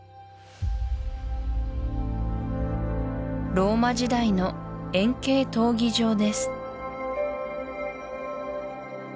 ローマ時代の円形闘技場です